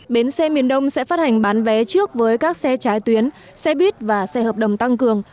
bến xe miền đông sẽ phát hành bán vé trước với các xe trái tuyến xe buýt và xe hợp đồng tăng cường